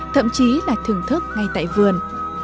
thậm chí là thưởng thức ngay tại vườn